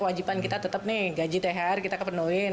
wajiban kita tetap nih gaji thr kita kepenuhin